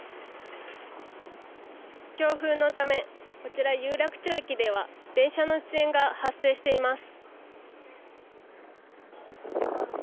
強風のためこちら、有楽町駅では電車の遅延が発生しています。